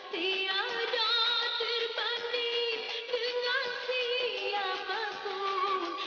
tiada terbanding dengan siapapun